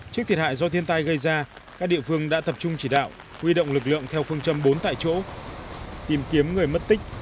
trước thiệt hại do thiên tai gây ra các địa phương đã tập trung chỉ đạo huy động lực lượng theo phương châm bốn tại chỗ tìm kiếm người mất tích